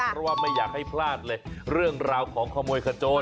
เพราะว่าไม่อยากให้พลาดเลยเรื่องราวของขโมยขโจร